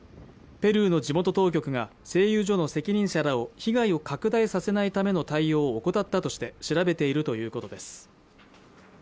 ペルーの地元当局が製油所の責任者らを被害を拡大させないための対応を怠ったとして調べているということです